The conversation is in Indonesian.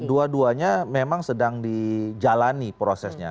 dua duanya memang sedang dijalani prosesnya